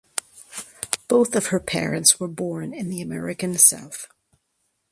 Both of her parents were born in the American South.